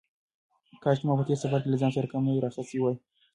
کاشکې ما په تېر سفر کې له ځان سره کمرې راخیستې وای.